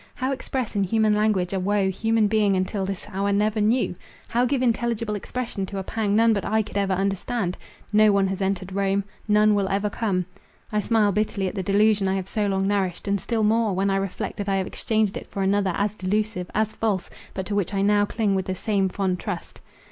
How express in human language a woe human being until this hour never knew! How give intelligible expression to a pang none but I could ever understand!— No one has entered Rome. None will ever come. I smile bitterly at the delusion I have so long nourished, and still more, when I reflect that I have exchanged it for another as delusive, as false, but to which I now cling with the same fond trust.